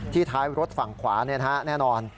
ท้ายรถฝั่งขวาแน่นอน